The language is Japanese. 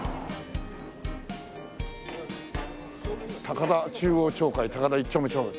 「高田中央町会高田一丁目町会」